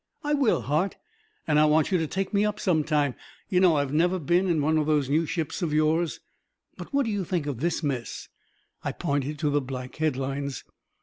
"I will, Hart, and I want you to take me up some time. You know I have never been in one of these new ships of yours. But what do you think of this mess?" I pointed to the black headlines.